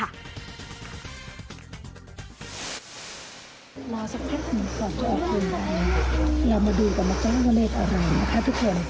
รอสักแพทย์หนึ่งก่อนจะออกจากนั้นเรามาดูกันมาเจอกันว่าเลขอะไรนะคะทุกคน